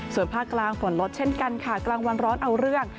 ส่วนภาคกลางฝนลดเช่นกันค่ะกลางวันร้อนเอาเรื่อง